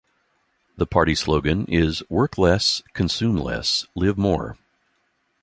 The party slogan is Work Less, Consume Less, Live More.